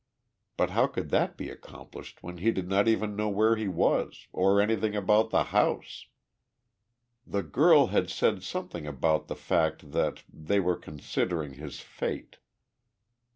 But how could that be accomplished when he did not even know where he was or anything about the house? The girl had said something about the fact that "they were considering his fate."